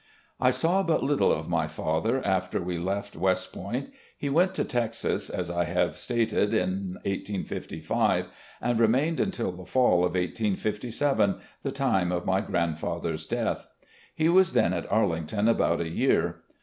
I saw but little of my father after we left West Point. He went to Texas, as I have stated, in '55 and remained until the fall of '57, the time of my grandfather's death. He was then at Arlington about a year.